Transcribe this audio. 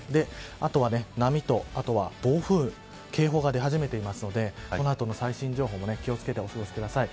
あとは、波と暴風警報が出始めていますのでこの後の最新情報も気を付けてお過ごしください。